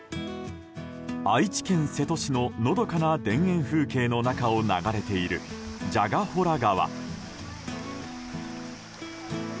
愛知県瀬戸市ののどかな田園風景の中を流れている、蛇ヶ洞川。